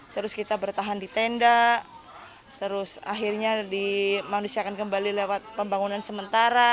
terus kita bertahan di tenda terus akhirnya dimanusiakan kembali lewat pembangunan sementara